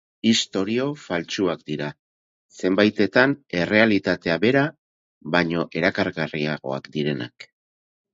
Istorio faltsuak dira, zenbaitetan errealitatea bera baino erakargarriagoak direnak.